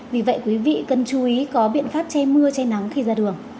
vì vậy quý vị cần chú ý có biện pháp che mưa che nắng khi ra đường